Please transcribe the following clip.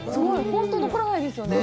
本当に残らないですよね。